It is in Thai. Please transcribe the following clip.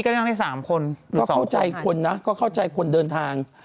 ก็นั่งได้สามคนก็เข้าใจคนนะก็เข้าใจคนเดินทาง